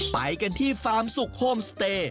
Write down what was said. ไปกันที่ฟาร์มสุขโฮมสเตย์